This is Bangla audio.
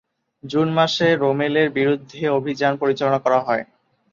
জুন মাসে রোমেলের বিরুদ্ধে অভিযান পরিচালনা করা হয়।